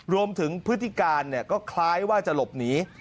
พฤติการก็คล้ายว่าจะหลบหนี